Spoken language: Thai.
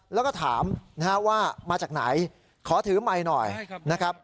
แล้วก็ถามว่ามาจากไหนขอถือไมค์หน่อยนะครับ